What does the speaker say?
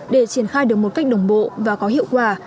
để triển khai được một cách đồng bộ và có hiệu quả